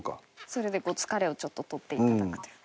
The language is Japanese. それで疲れをちょっと取っていただくという。